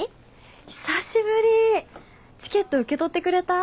久しぶりチケット受け取ってくれた？